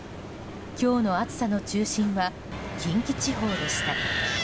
今日の暑さの中心は近畿地方でした。